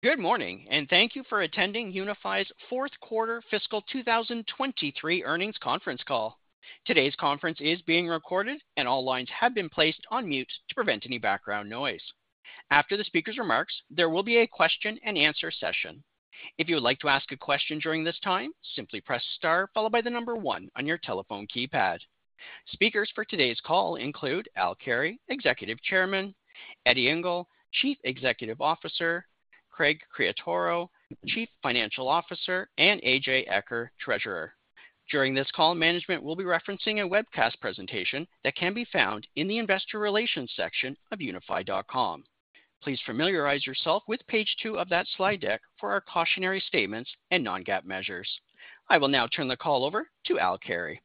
Good morning, and thank you for attending Unifi's Q4 fiscal 2023 earnings conference call. Today's conference is being recorded, and all lines have been placed on mute to prevent any background noise. After the speaker's remarks, there will be a question-and-answer session. If you would like to ask a question during this time, simply press star followed by the number 1 on your telephone keypad. Speakers for today's call include Al Carey, Executive Chairman, Eddie Ingle, Chief Executive Officer, Craig Creaturo, Chief Financial Officer, and A.J. Eaker, Treasurer. During this call, management will be referencing a webcast presentation that can be found in the Investor Relations section of Unifi.com. Please familiarize yourself with page 2 of that slide deck for our cautionary statements and non-GAAP measures. I will now turn the call over to Al Carey.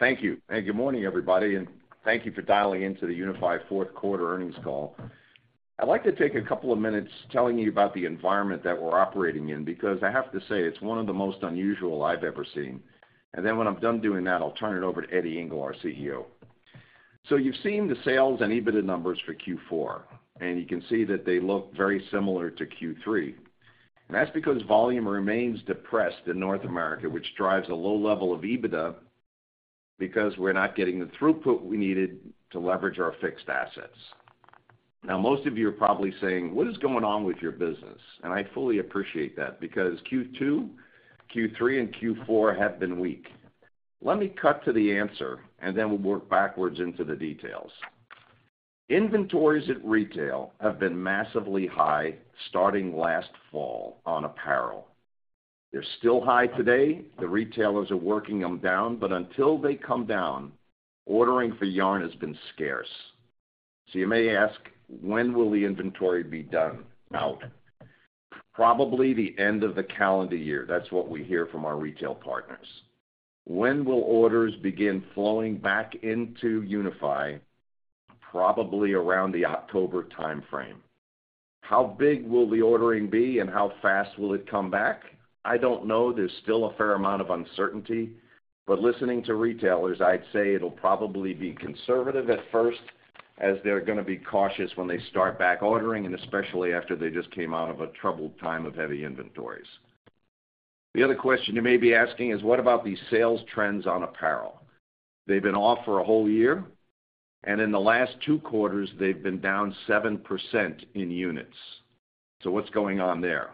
Thank you. Good morning, everybody, and thank you for dialing into the Unifi Q4 earnings call. I'd like to take a couple of minutes telling you about the environment that we're operating in, because I have to say it's one of the most unusual I've ever seen. Then when I'm done doing that, I'll turn it over to Eddie Ingle, our CEO. You've seen the sales and EBITDA numbers for Q4, and you can see that they look very similar to Q3. That's because volume remains depressed in North America, which drives a low level of EBITDA, because we're not getting the throughput we needed to leverage our fixed assets. Now, most of you are probably saying, "What is going on with your business?" I fully appreciate that, because Q2, Q3, and Q4 have been weak. Let me cut to the answer, and then we'll work backwards into the details. Inventories at retail have been massively high starting last fall on apparel. They're still high today. The retailers are working them down, but until they come down, ordering for yarn has been scarce. So you may ask, when will the inventory be done out? Probably the end of the calendar year. That's what we hear from our retail partners. When will orders begin flowing back into Unifi? Probably around the October timeframe. How big will the ordering be and how fast will it come back? I don't know. There's still a fair amount of uncertainty, but listening to retailers, I'd say it'll probably be conservative at first, as they're gonna be cautious when they start back ordering, and especially after they just came out of a troubled time of heavy inventories. The other question you may be asking is: what about these sales trends on apparel? They've been off for a whole year, and in the last two quarters, they've been down 7% in units. So what's going on there?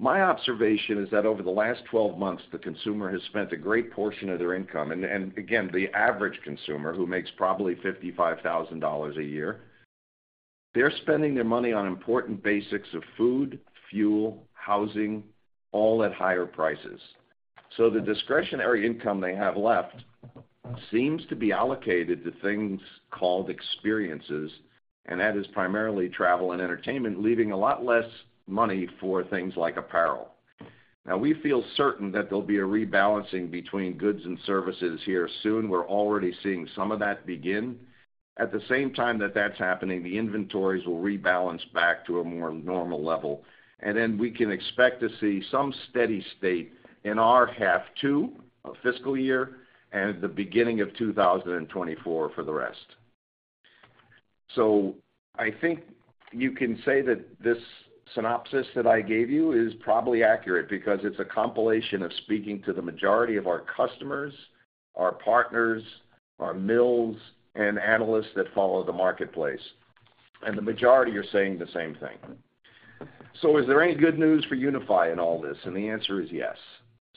My observation is that over the last 12 months, the consumer has spent a great portion of their income, and again, the average consumer, who makes probably $55,000 a year, they're spending their money on important basics of food, fuel, housing, all at higher prices. So the discretionary income they have left seems to be allocated to things called experiences, and that is primarily travel and entertainment, leaving a lot less money for things like apparel. Now, we feel certain that there'll be a rebalancing between goods and services here soon. We're already seeing some of that begin. At the same time that that's happening, the inventories will rebalance back to a more normal level, and then we can expect to see some steady state in our half two of fiscal year and at the beginning of 2024 for the rest. So I think you can say that this synopsis that I gave you is probably accurate because it's a compilation of speaking to the majority of our customers, our partners, our mills, and analysts that follow the marketplace, and the majority are saying the same thing. So is there any good news for Unifi in all this? And the answer is yes.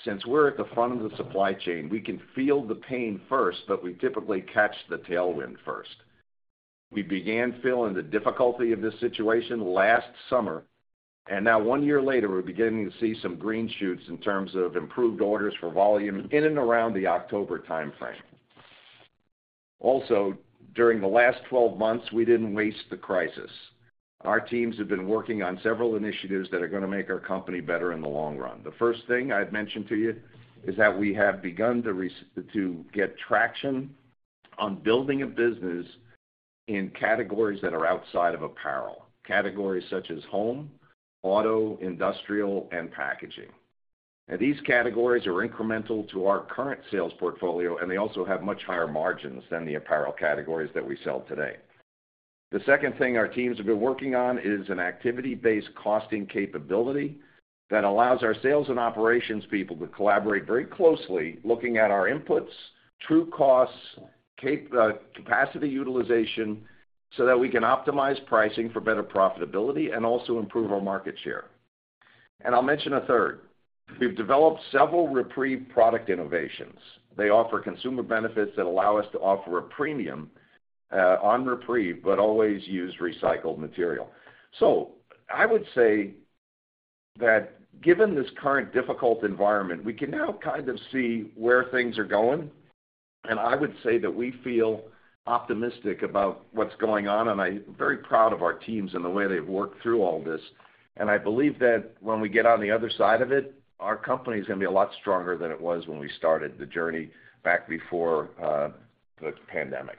Since we're at the front of the supply chain, we can feel the pain first, but we typically catch the tailwind first. We began feeling the difficulty of this situation last summer, and now, one year later, we're beginning to see some green shoots in terms of improved orders for volume in and around the October timeframe. Also, during the last 12 months, we didn't waste the crisis. Our teams have been working on several initiatives that are gonna make our company better in the long run. The first thing I'd mention to you is that we have begun to get traction on building a business in categories that are outside of apparel, categories such as home, auto, industrial, and packaging. Now, these categories are incremental to our current sales portfolio, and they also have much higher margins than the apparel categories that we sell today. The second thing our teams have been working on is an activity-based costing capability that allows our sales and operations people to collaborate very closely, looking at our inputs, true costs, CapEx, capacity utilization, so that we can optimize pricing for better profitability and also improve our market share. I'll mention a third. We've developed several REPREVE product innovations. They offer consumer benefits that allow us to offer a premium on REPREVE, but always use recycled material. I would say that given this current difficult environment, we can now kind of see where things are going, and I would say that we feel optimistic about what's going on, and I'm very proud of our teams and the way they've worked through all this. I believe that when we get on the other side of it, our company is gonna be a lot stronger than it was when we started the journey back before the pandemic.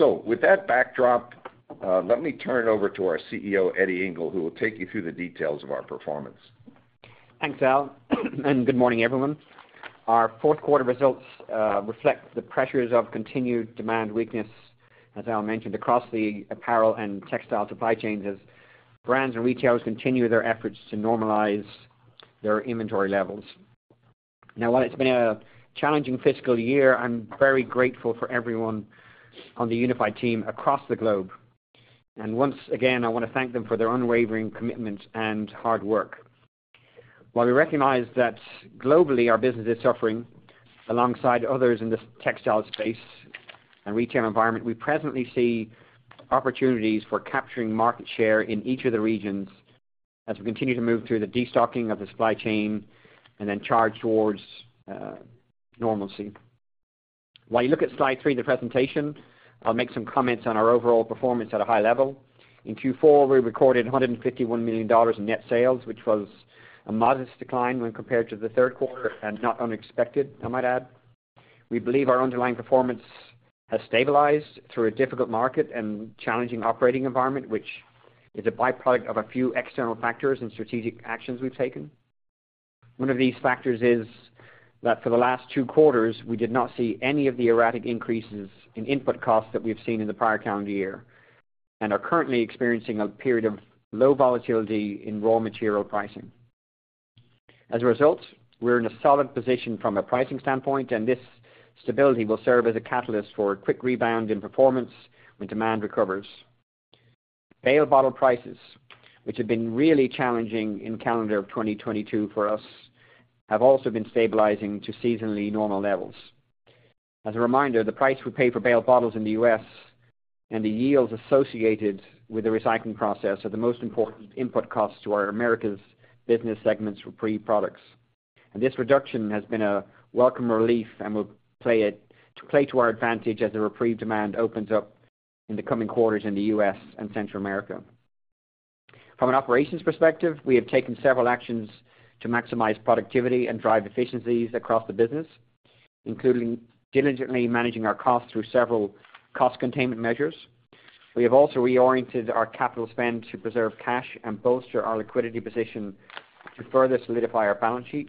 With that backdrop, let me turn it over to our CEO, Eddie Ingle, who will take you through the details of our performance.... Thanks, Al, and good morning, everyone. Our Q4 results reflect the pressures of continued demand weakness, as Al mentioned, across the apparel and textile supply chains as brands and retailers continue their efforts to normalize their inventory levels. Now, while it's been a challenging fiscal year, I'm very grateful for everyone on the Unifi team across the globe. And once again, I want to thank them for their unwavering commitment and hard work. While we recognize that globally, our business is suffering alongside others in this textile space and retail environment, we presently see opportunities for capturing market share in each of the regions as we continue to move through the destocking of the supply chain and then charge towards normalcy. While you look at slide three in the presentation, I'll make some comments on our overall performance at a high level. In Q4, we recorded $151 million in net sales, which was a modest decline when compared to the Q3, and not unexpected, I might add. We believe our underlying performance has stabilized through a difficult market and challenging operating environment, which is a byproduct of a few external factors and strategic actions we've taken. One of these factors is that for the last two quarters, we did not see any of the erratic increases in input costs that we've seen in the prior calendar year and are currently experiencing a period of low volatility in raw material pricing. As a result, we're in a solid position from a pricing standpoint, and this stability will serve as a catalyst for a quick rebound in performance when demand recovers. Bale bottle prices, which have been really challenging in calendar of 2022 for us, have also been stabilizing to seasonally normal levels. As a reminder, the price we pay for bale bottles in the U.S. and the yields associated with the recycling process are the most important input costs to our Americas business segments for REPREVE products. And this reduction has been a welcome relief and will play to our advantage as the REPREVE demand opens up in the coming quarters in the U.S. and Central America. From an operations perspective, we have taken several actions to maximize productivity and drive efficiencies across the business, including diligently managing our costs through several cost containment measures. We have also reoriented our capital spend to preserve cash and bolster our liquidity position to further solidify our balance sheet,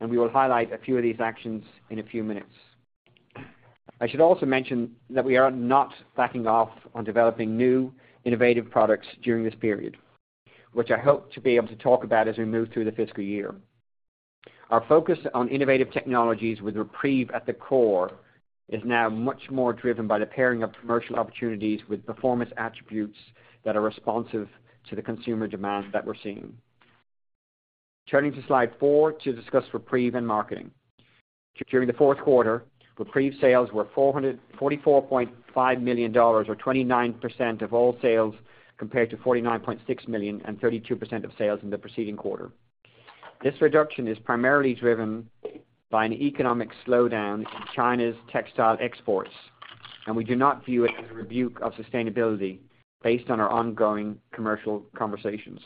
and we will highlight a few of these actions in a few minutes. I should also mention that we are not backing off on developing new innovative products during this period, which I hope to be able to talk about as we move through the fiscal year. Our focus on innovative technologies with REPREVE at the core, is now much more driven by the pairing of commercial opportunities with performance attributes that are responsive to the consumer demand that we're seeing. Turning to slide 4 to discuss REPREVE and marketing. During the Q4, REPREVE sales were $444.5 million or 29% of all sales, compared to $49.6 million and 32% of sales in the preceding quarter. This reduction is primarily driven by an economic slowdown in China's textile exports, and we do not view it as a rebuke of sustainability based on our ongoing commercial conversations.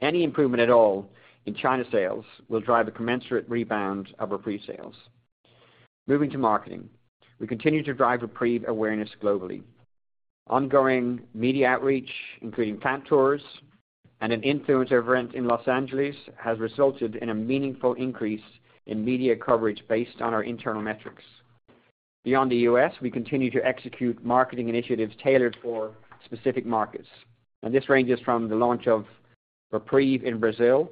Any improvement at all in China sales will drive a commensurate rebound of our pre-sales. Moving to marketing. We continue to drive REPREVE awareness globally. Ongoing media outreach, including plant tours and an influencer event in Los Angeles, has resulted in a meaningful increase in media coverage based on our internal metrics. Beyond the US, we continue to execute marketing initiatives tailored for specific markets, and this ranges from the launch of REPREVE in Brazil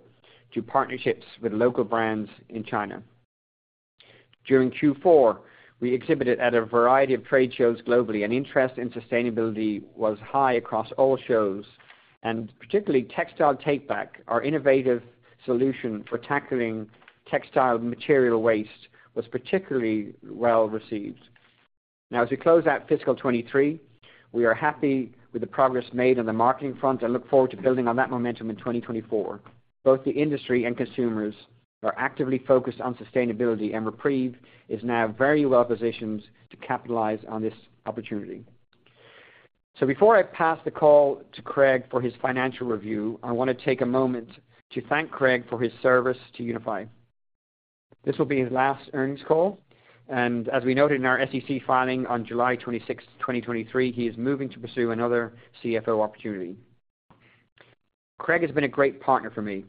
to partnerships with local brands in China. During Q4, we exhibited at a variety of trade shows globally, and interest in sustainability was high across all shows, and particularly Textile Takeback. Our innovative solution for tackling textile material waste was particularly well received. Now, as we close out fiscal 2023, we are happy with the progress made on the marketing front and look forward to building on that momentum in 2024. Both the industry and consumers are actively focused on sustainability, and REPREVE is now very well positioned to capitalize on this opportunity. So before I pass the call to Craig for his financial review, I want to take a moment to thank Craig for his service to Unifi. This will be his last earnings call, and as we noted in our SEC filing on July 26th, 2023, he is moving to pursue another CFO opportunity. Craig has been a great partner for me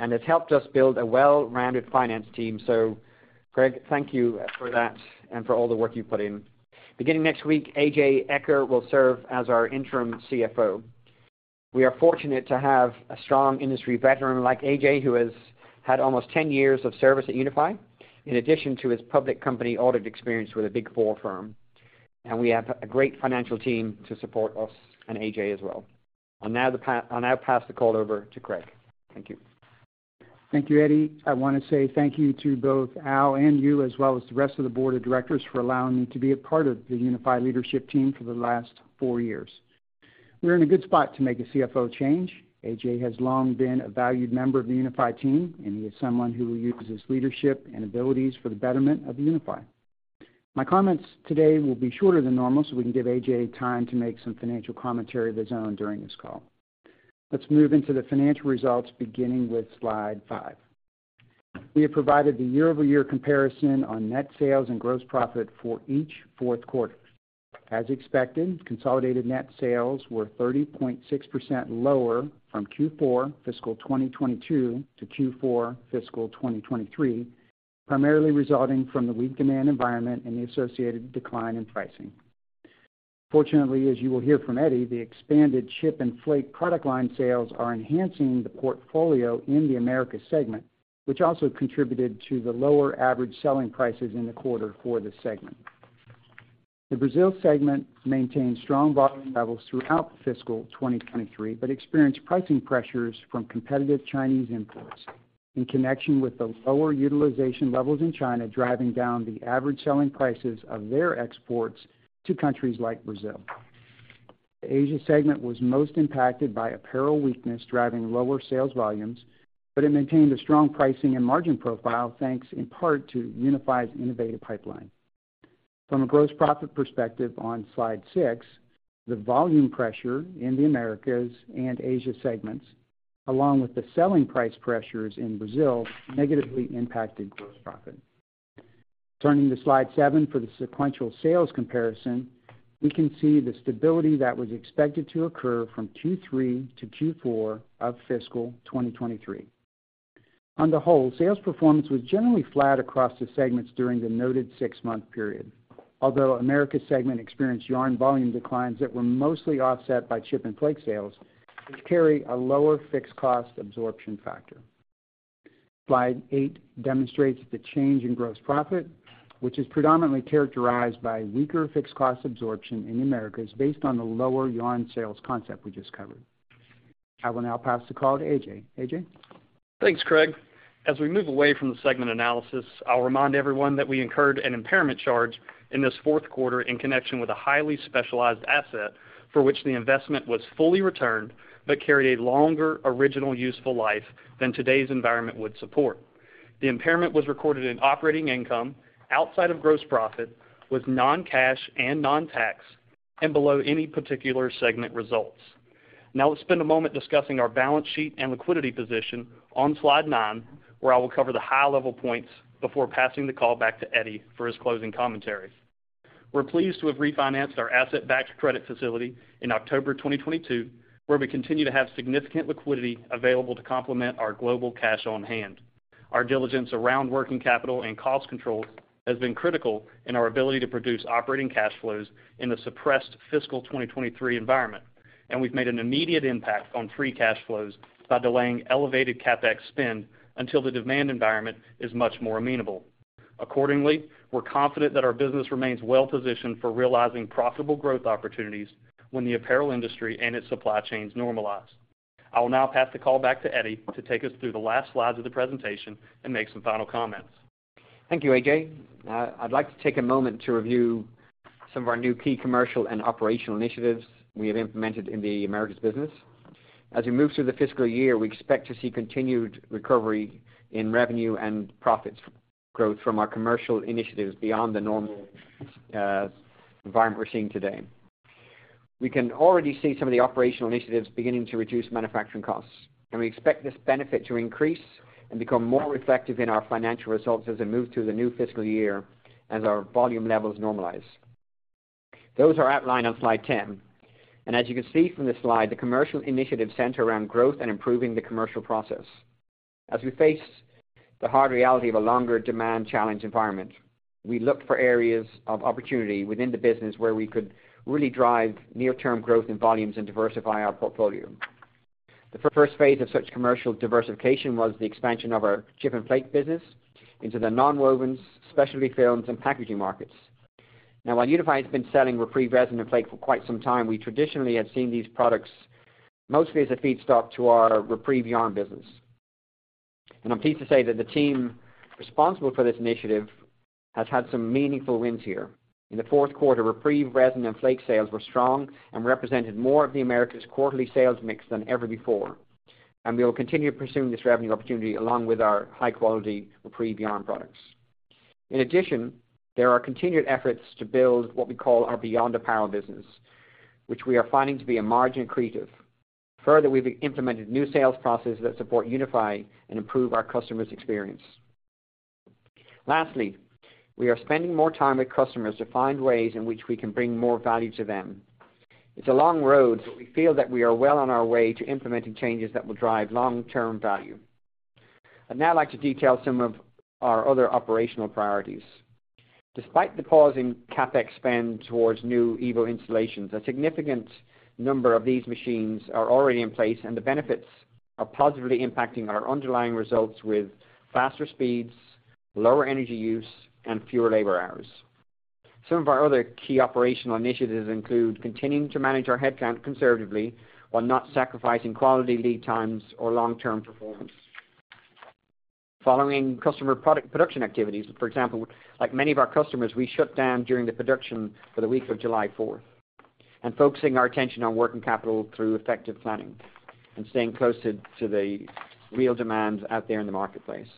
and has helped us build a well-rounded finance team. So Craig, thank you for that and for all the work you've put in. Beginning next week, A.J. Eaker will serve as our interim CFO. We are fortunate to have a strong industry veteran like A.J., who has had almost 10 years of service at Unifi, in addition to his public company audit experience with a Big Four firm. We have a great financial team to support us and A.J. as well. I'll now pass the call over to Craig. Thank you. Thank you, Eddie. I want to say thank you to both Al and you, as well as the rest of the board of directors, for allowing me to be a part of the Unifi leadership team for the last four years. We're in a good spot to make a CFO change. A.J. has long been a valued member of the Unifi team, and he is someone who will use his leadership and abilities for the betterment of Unifi. My comments today will be shorter than normal, so we can give A.J. time to make some financial commentary of his own during this call. Let's move into the financial results, beginning with slide five.... We have provided the year-over-year comparison on net sales and gross profit for each Q4. As expected, consolidated net sales were 30.6% lower from Q4 fiscal 2022 to Q4 fiscal 2023, primarily resulting from the weak demand environment and the associated decline in pricing. Fortunately, as you will hear from Eddie, the expanded chip and flake product line sales are enhancing the portfolio in the Americas segment, which also contributed to the lower average selling prices in the quarter for the segment. The Brazil segment maintained strong volume levels throughout fiscal 2023, but experienced pricing pressures from competitive Chinese imports in connection with the lower utilization levels in China, driving down the average selling prices of their exports to countries like Brazil. The Asia segment was most impacted by apparel weakness, driving lower sales volumes, but it maintained a strong pricing and margin profile, thanks in part to Unifi's innovative pipeline. From a gross profit perspective on Slide 6, the volume pressure in the Americas and Asia segments, along with the selling price pressures in Brazil, negatively impacted gross profit. Turning to Slide 7, for the sequential sales comparison, we can see the stability that was expected to occur from Q3 to Q4 of fiscal 2023. On the whole, sales performance was generally flat across the segments during the noted six-month period, although Americas segment experienced yarn volume declines that were mostly offset by chip and flake sales, which carry a lower fixed cost absorption factor. Slide 8 demonstrates the change in gross profit, which is predominantly characterized by weaker fixed cost absorption in Americas, based on the lower yarn sales concept we just covered. I will now pass the call to A.J. A.J.? Thanks, Craig. As we move away from the segment analysis, I'll remind everyone that we incurred an impairment charge in this Q4 in connection with a highly specialized asset for which the investment was fully returned but carried a longer original useful life than today's environment would support. The impairment was recorded in operating income outside of gross profit, was non-cash and non-tax, and below any particular segment results. Now let's spend a moment discussing our balance sheet and liquidity position on Slide 9, where I will cover the high-level points before passing the call back to Eddie for his closing commentary. We're pleased to have refinanced our asset-backed credit facility in October 2022, where we continue to have significant liquidity available to complement our global cash on hand. Our diligence around working capital and cost controls has been critical in our ability to produce operating cash flows in the suppressed fiscal 2023 environment, and we've made an immediate impact on free cash flows by delaying elevated CapEx spend until the demand environment is much more amenable. Accordingly, we're confident that our business remains well positioned for realizing profitable growth opportunities when the apparel industry and its supply chains normalize. I will now pass the call back to Eddie to take us through the last slides of the presentation and make some final comments. Thank you, A.J. I'd like to take a moment to review some of our new key commercial and operational initiatives we have implemented in the Americas business. As we move through the fiscal year, we expect to see continued recovery in revenue and profits growth from our commercial initiatives beyond the normal environment we're seeing today. We can already see some of the operational initiatives beginning to reduce manufacturing costs, and we expect this benefit to increase and become more reflective in our financial results as we move to the new fiscal year, as our volume levels normalize. Those are outlined on Slide 10, and as you can see from this slide, the commercial initiatives center around growth and improving the commercial process. As we face the hard reality of a longer demand-challenged environment, we looked for areas of opportunity within the business where we could really drive near-term growth in volumes and diversify our portfolio. The first phase of such commercial diversification was the expansion of our chip and flake business into the nonwovens, specialty films, and packaging markets. Now, while Unifi has been selling REPREVE resin and flake for quite some time, we traditionally had seen these products mostly as a feedstock to our REPREVE yarn business. I'm pleased to say that the team responsible for this initiative has had some meaningful wins here. In the Q4, REPREVE resin and flake sales were strong and represented more of the Americas' quarterly sales mix than ever before, and we will continue pursuing this revenue opportunity along with our high-quality REPREVE yarn products. In addition, there are continued efforts to build what we call our Beyond Apparel business, which we are finding to be a margin accretive. Further, we've implemented new sales processes that support Unifi and improve our customers' experience. Lastly, we are spending more time with customers to find ways in which we can bring more value to them. It's a long road, but we feel that we are well on our way to implementing changes that will drive long-term value. I'd now like to detail some of our other operational priorities. Despite the pausing CapEx spend towards new EVO installations, a significant number of these machines are already in place, and the benefits are positively impacting our underlying results with faster speeds, lower energy use, and fewer labor hours. Some of our other key operational initiatives include continuing to manage our headcount conservatively while not sacrificing quality, lead times, or long-term performance. Following customer product production activities, for example, like many of our customers, we shut down during the production for the week of July fourth, and focusing our attention on working capital through effective planning and staying close to the real demands out there in the marketplace.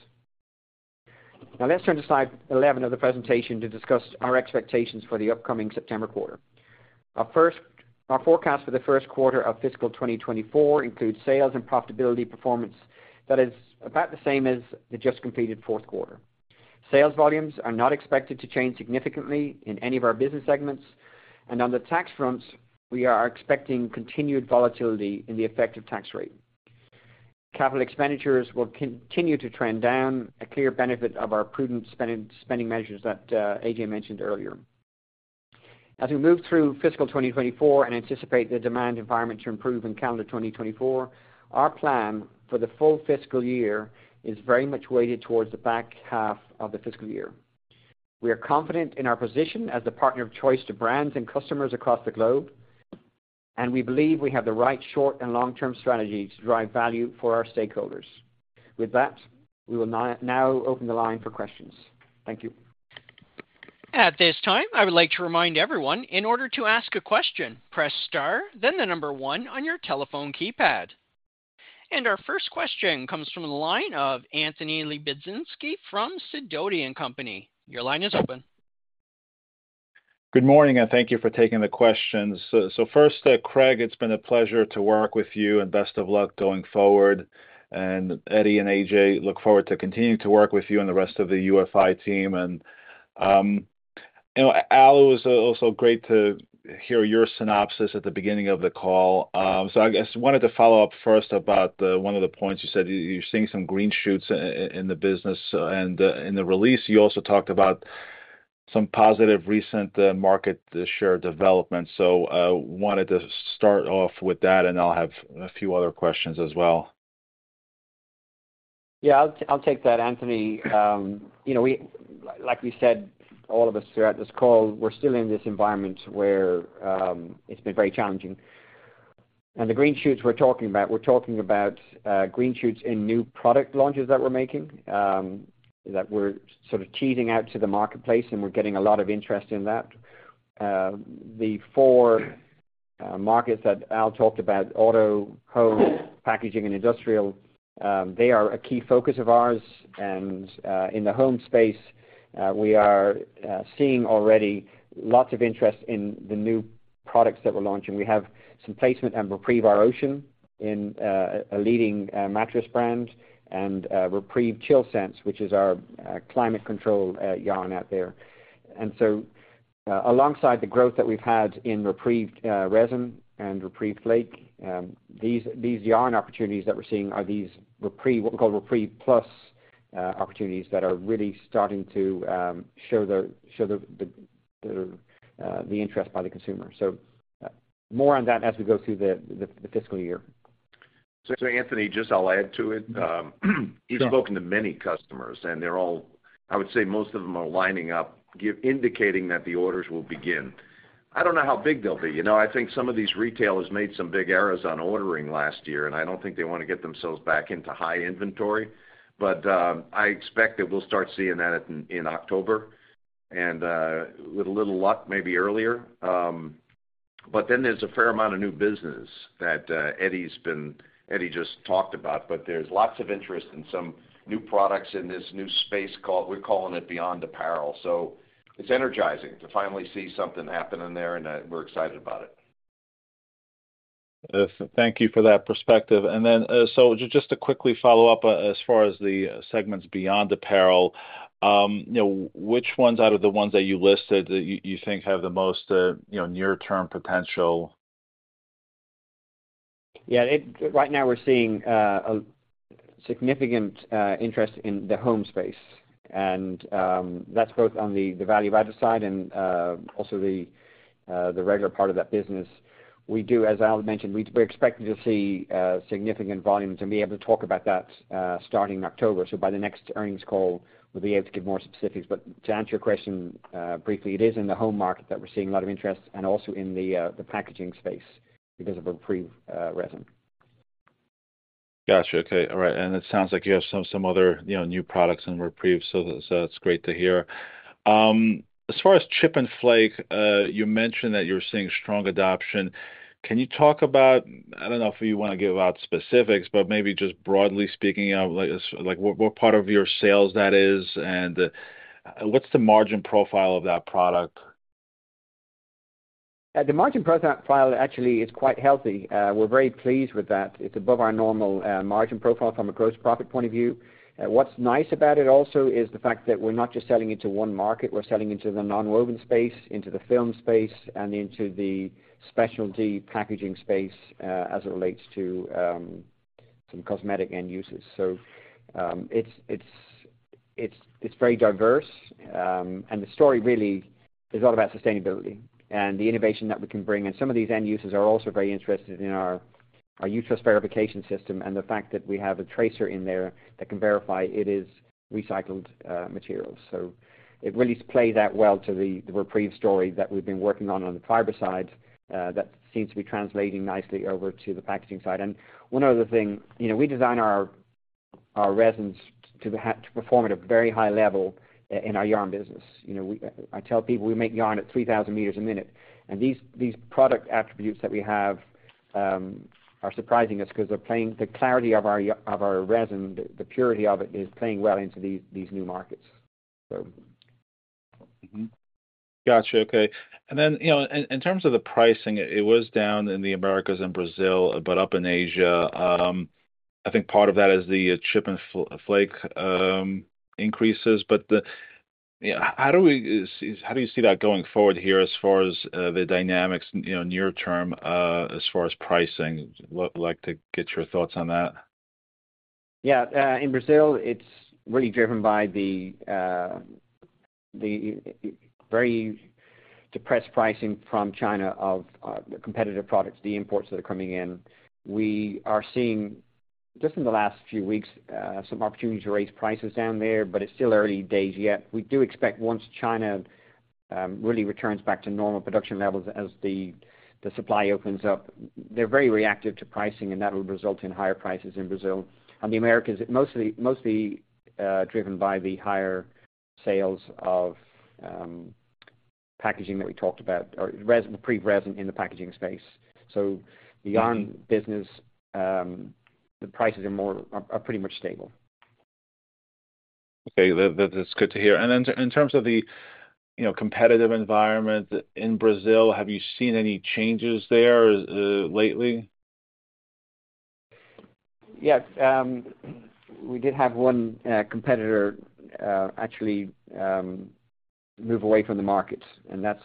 Now let's turn to slide 11 of the presentation to discuss our expectations for the upcoming September quarter. Our forecast for the Q1 of fiscal 2024 includes sales and profitability performance that is about the same as the just completed Q4. Sales volumes are not expected to change significantly in any of our business segments, and on the tax fronts, we are expecting continued volatility in the effective tax rate. Capital expenditures will continue to trend down, a clear benefit of our prudent spending measures that A.J. mentioned earlier. As we move through fiscal 2024 and anticipate the demand environment to improve in calendar 2024, our plan for the full fiscal year is very much weighted towards the back half of the fiscal year. We are confident in our position as the partner of choice to brands and customers across the globe, and we believe we have the right short and long-term strategy to drive value for our stakeholders. With that, we will now open the line for questions. Thank you. At this time, I would like to remind everyone, in order to ask a question, press Star, then the number one on your telephone keypad. Our first question comes from the line of Anthony Lebiedzinski from Sidoti & Company. Your line is open. Good morning, and thank you for taking the questions. So first, Craig, it's been a pleasure to work with you, and best of luck going forward. And Eddie and A.J., look forward to continuing to work with you and the rest of the UFI team. And, you know, Al, it was also great to hear your synopsis at the beginning of the call. So I guess wanted to follow up first about the one of the points you said, you, you're seeing some green shoots in the business, and in the release, you also talked about some positive recent market share developments. So wanted to start off with that, and I'll have a few other questions as well. Yeah, I'll take that, Anthony. You know, we—like we said, all of us throughout this call, we're still in this environment where, it's been very challenging. And the green shoots we're talking about, we're talking about, green shoots in new product launches that we're making, that we're sort of teasing out to the marketplace, and we're getting a lot of interest in that. The four markets that Al talked about, auto, home, packaging, and industrial, they are a key focus of ours. And, in the home space, we are seeing already lots of interest in the new products that we're launching. We have some placement on REPREVE Ocean in, a leading, mattress brand and, REPREVE ChillSense, which is our, climate control, yarn out there. And so, alongside the growth that we've had in REPREVE, resin and REPREVE flake, these yarn opportunities that we're seeing are these REPREVE, what we call REPREVE Plus, opportunities that are really starting to show the interest by the consumer. So more on that as we go through the fiscal year. So Anthony, just, I'll add to it. We've spoken to many customers, and they're all... I would say most of them are lining up, indicating that the orders will begin. I don't know how big they'll be. You know, I think some of these retailers made some big errors on ordering last year, and I don't think they want to get themselves back into high inventory. But, I expect that we'll start seeing that in October and, with a little luck, maybe earlier. But then there's a fair amount of new business that Eddie just talked about, but there's lots of interest in some new products in this new space called, we're calling it Beyond Apparel. So it's energizing to finally see something happening there, and we're excited about it. Thank you for that perspective. And then, so just to quickly follow up, as far as the segments Beyond Apparel, you know, which ones out of the ones that you listed that you think have the most, you know, near-term potential? Yeah, it right now we're seeing a significant interest in the home space, and that's both on the value added side and also the regular part of that business. We do, as Al mentioned, we're expecting to see significant volumes and be able to talk about that starting in October. So by the next earnings call, we'll be able to give more specifics. But to answer your question briefly, it is in the home market that we're seeing a lot of interest and also in the packaging space because of REPREVE resin. Gotcha. Okay. All right, and it sounds like you have some other, you know, new products in REPREVE, so that's great to hear. As far as chip and flake, you mentioned that you're seeing strong adoption. Can you talk about... I don't know if you want to give out specifics, but maybe just broadly speaking, like what part of your sales that is, and what's the margin profile of that product? The margin profile actually is quite healthy. We're very pleased with that. It's above our normal margin profile from a gross profit point of view. What's nice about it also is the fact that we're not just selling into one market. We're selling into the nonwoven space, into the film space, and into the specialty packaging space, as it relates to some cosmetic end uses. So, it's very diverse, and the story really is all about sustainability and the innovation that we can bring. And some of these end users are also very interested in our use verification system and the fact that we have a tracer in there that can verify it is recycled materials. So it really plays out well to the REPREVE story that we've been working on, on the fiber side, that seems to be translating nicely over to the packaging side. And one other thing, you know, we design our resins to have to perform at a very high level in our yarn business. You know, I tell people we make yarn at 3,000 meters a minute, and these product attributes that we have are surprising us because they're playing the clarity of our resin, the purity of it, is playing well into these new markets, so. Mm-hmm. Got you. Okay. And then, you know, in terms of the pricing, it was down in the Americas and Brazil, but up in Asia. I think part of that is the chip and flake increases, but the... How do you see that going forward here as far as the dynamics, you know, near term, as far as pricing? Would like to get your thoughts on that. Yeah. In Brazil, it's really driven by the, the very depressed pricing from China of, the competitive products, the imports that are coming in. We are seeing, just in the last few weeks, some opportunity to raise prices down there, but it's still early days yet. We do expect once China really returns back to normal production levels as the, the supply opens up, they're very reactive to pricing, and that will result in higher prices in Brazil and the Americas. Mostly driven by the higher sales of, packaging that we talked about, or res- pre-resin in the packaging space. So the yarn business, the prices are more, are pretty much stable. Okay, that is good to hear. Then in terms of the, you know, competitive environment in Brazil, have you seen any changes there lately? Yes. We did have one competitor, actually, move away from the market, and that's...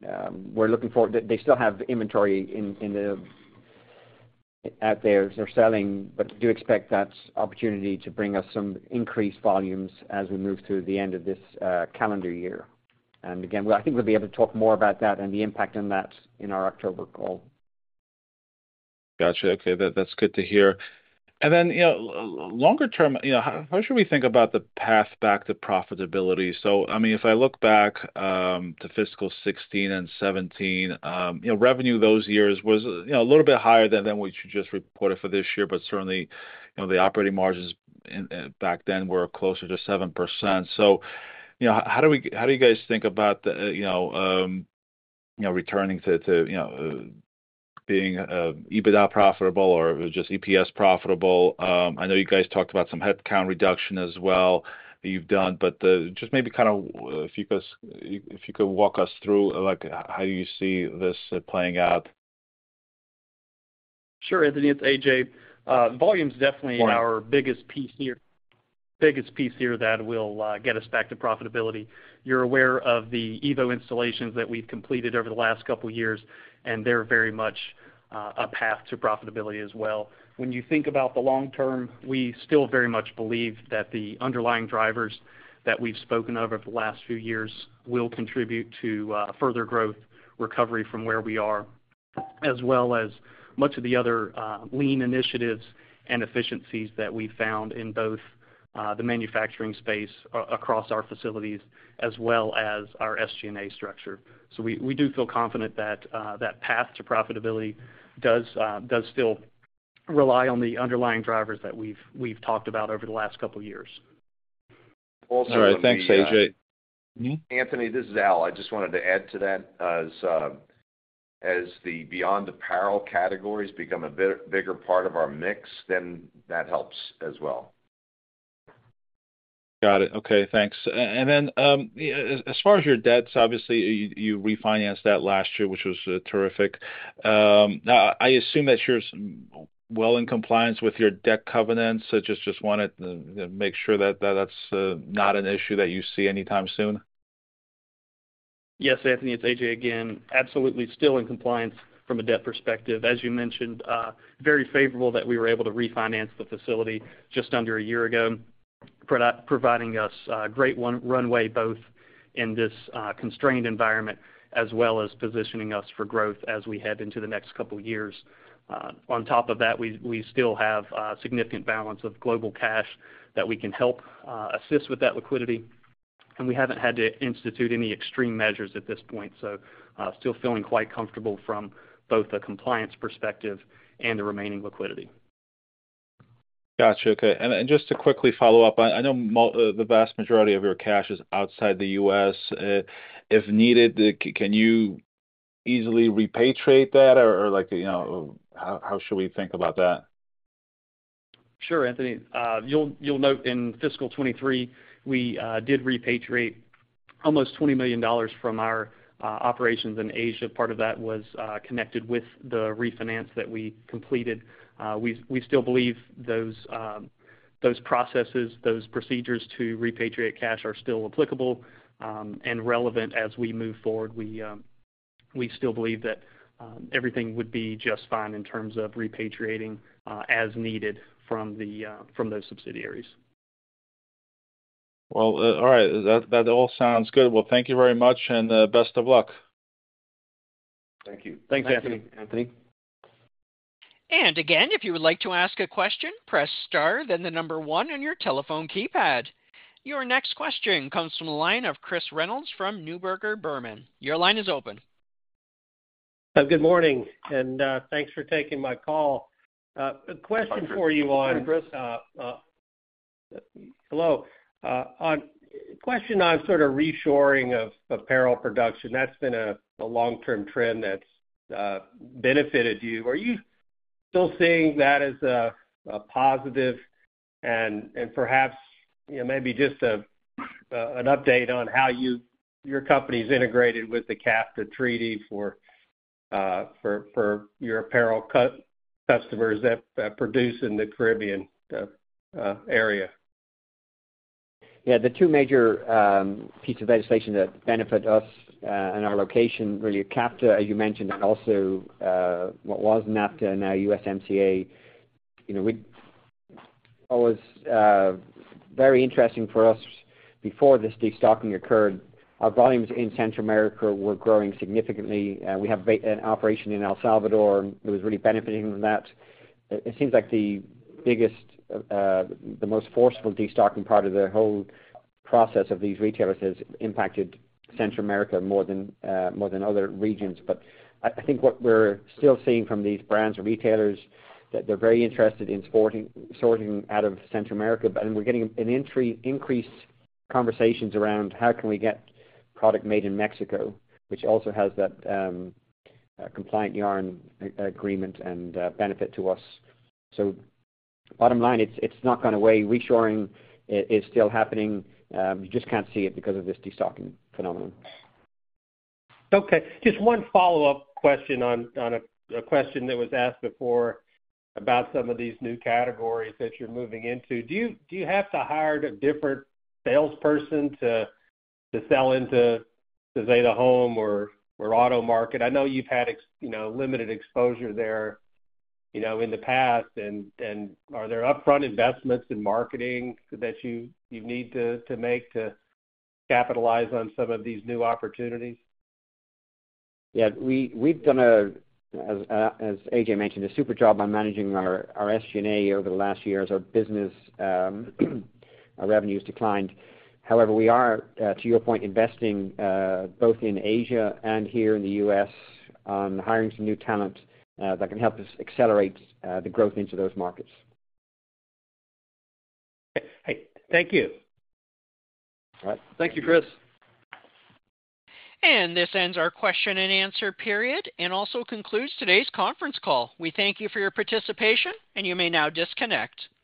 They still have inventory in the out there. They're selling, but we do expect that opportunity to bring us some increased volumes as we move through the end of this calendar year. And again, I think we'll be able to talk more about that and the impact on that in our October call. Got you. Okay, that, that's good to hear. And then, you know, longer term, you know, how, how should we think about the path back to profitability? So, I mean, if I look back to fiscal 2016 and 2017, you know, revenue those years was, you know, a little bit higher than, than we just reported for this year, but certainly, you know, the operating margins in back then were closer to 7%. So, you know, how do you guys think about, the, you know, you know, returning to, to, you know, being EBITDA profitable or just EPS profitable? I know you guys talked about some headcount reduction as well, that you've done, but just maybe kind of, if you could, if you could walk us through, like, how you see this playing out. Sure, Anthony, it's A.J. Volume is definitely our biggest piece here, biggest piece here that will get us back to profitability. You're aware of the EVO installations that we've completed over the last couple of years, and they're very much a path to profitability as well. When you think about the long term, we still very much believe that the underlying drivers that we've spoken of over the last few years will contribute to further growth, recovery from where we are, as well as much of the other lean initiatives and efficiencies that we've found in both the manufacturing space across our facilities, as well as our SG&A structure. So we do feel confident that that path to profitability does still rely on the underlying drivers that we've talked about over the last couple of years. All right. Thanks, A.J. Me? Anthony, this is Al. I just wanted to add to that. As, as the Beyond Apparel categories become a bit bigger part of our mix, then that helps as well. Got it. Okay, thanks. And then, as far as your debts, obviously, you refinanced that last year, which was terrific. Now, I assume that you're well in compliance with your debt covenants, so just wanted to make sure that that's not an issue that you see anytime soon. Yes, Anthony, it's A.J. again. Absolutely still in compliance from a debt perspective. As you mentioned, very favorable that we were able to refinance the facility just under a year ago, providing us great runway, both in this constrained environment, as well as positioning us for growth as we head into the next couple of years. On top of that, we still have a significant balance of global cash that we can help assist with that liquidity, and we haven't had to institute any extreme measures at this point, so still feeling quite comfortable from both a compliance perspective and the remaining liquidity. Got you. Okay, and just to quickly follow up, I know the vast majority of your cash is outside the U.S. If needed, can you easily repatriate that? Or, like, you know, how should we think about that? Sure, Anthony. You'll note in fiscal 2023, we did repatriate almost $20 million from our operations in Asia. Part of that was connected with the refinance that we completed. We still believe those processes, those procedures to repatriate cash are still applicable and relevant as we move forward. We still believe that everything would be just fine in terms of repatriating as needed from those subsidiaries. Well, all right. That, that all sounds good. Well, thank you very much, and best of luck. Thank you. Thanks, Anthony. Thank you, Anthony. And again, if you would like to ask a question, press star, then the number one on your telephone keypad. Your next question comes from the line of Chris Reynolds from Neuberger Berman. Your line is open.... Good morning, and, thanks for taking my call. A question for you on- Hi, Chris. Hello. A question on sort of reshoring of apparel production. That's been a long-term trend that's benefited you. Are you still seeing that as a positive? And perhaps, you know, maybe just an update on how your company's integrated with the CAFTA treaty for your apparel customers that produce in the Caribbean area. Yeah, the two major pieces of legislation that benefit us and our location, really, CAFTA, as you mentioned, and also what was NAFTA, now USMCA. You know, what was very interesting for us before this destocking occurred, our volumes in Central America were growing significantly, and we have an operation in El Salvador, and it was really benefiting from that. It seems like the biggest, the most forceful destocking part of the whole process of these retailers has impacted Central America more than other regions. But I think what we're still seeing from these brands or retailers, that they're very interested in sourcing out of Central America. But we're getting increased conversations around how can we get product made in Mexico, which also has that compliant yarn agreement and benefit to us. So bottom line, it's not gone away. Reshoring is still happening. You just can't see it because of this destocking phenomenon. Okay, just one follow-up question on a question that was asked before about some of these new categories that you're moving into. Do you have to hire a different salesperson to sell into the home or auto market? I know you've had, you know, limited exposure there, you know, in the past, and are there upfront investments in marketing that you need to make to capitalize on some of these new opportunities? Yeah, we've done, as A.J. mentioned, a super job on managing our SG&A over the last year as our business, our revenues declined. However, we are to your point, investing both in Asia and here in the U.S., on hiring some new talent that can help us accelerate the growth into those markets. Hey, thank you. All right. Thank you, Chris. This ends our question and answer period, and also concludes today's conference call. We thank you for your participation, and you may now disconnect.